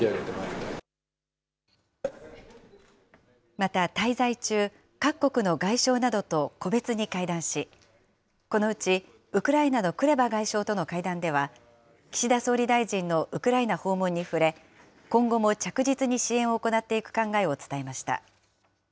また、滞在中、各国の外相などと個別に会談し、このうちウクライナのクレバ外相との会談では、岸田総理大臣のウクライナ訪問に触れ、今後も着実に支援を行っていく考えを伝えました。